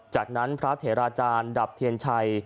จากนั้นพระเถราจารย์ดับเทียนชัย